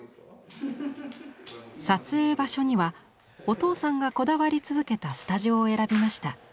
撮影場所にはお父さんがこだわり続けたスタジオを選びました。